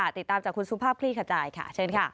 ติดตามจากคุณสุภาพคลี่ขจายค่ะเชิญค่ะ